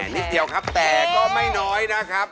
นิดเดียวครับแต่ก็ไม่น้อยนะครับ